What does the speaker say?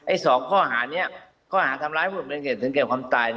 ไอ้๒ข้อหานี้ข้อหาทำร้ายผู้หญิงเป็นเหตุเหตุเหตุแก่ความตาย